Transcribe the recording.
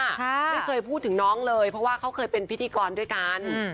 ไม่เคยพูดถึงน้องเลยเพราะว่าเขาเคยเป็นพิธีกรด้วยกัน